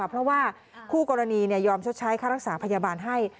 เพราะว่าคู่กรณียอมชดใช้ค่ารักษาพยาบาลให้